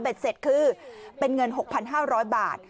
เสร็จคือเป็นเงิน๖๕๐๐บาท